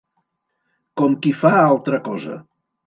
Com qui fa altra cosa.